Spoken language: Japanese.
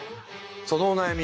そのお悩み